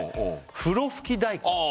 ふろふき大根あ